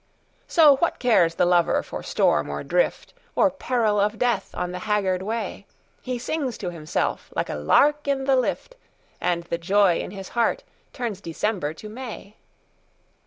So what cares the lover for storm or drift, Or peril of death on the haggard way? He sings to himself like a lark in the lift, And the joy in his heart turns December to May.